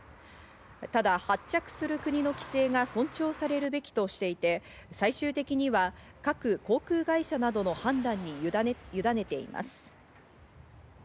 ただ発着する国の規制が尊重されるべきとしていて、最終的には各航空会社などの判断にゆだねています。